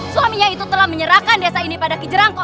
suaminya itu telah menyerahkan desa ini pada kijerangkok